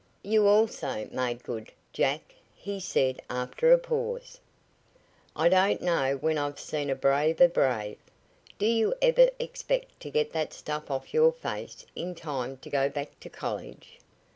"You also made good, Jack," he said after a pause. "I don't know when I've seen a braver brave. Do you ever expect to get that stuff off your face in time to go back to college?"